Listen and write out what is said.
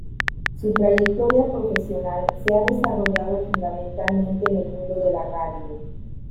Su trayectoria profesional se ha desarrollado fundamentalmente en el mundo de la radio.